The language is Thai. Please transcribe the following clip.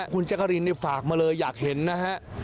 คุณแจ๊กกะรีนนี่ฝากมาเลยอยากเห็นนะฮะ